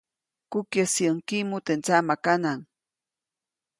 Kukyäjsiʼuŋ kiʼmu teʼ ndsaʼmakanaʼŋ.